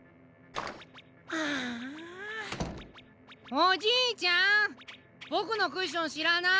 おじいちゃんボクのクッションしらない？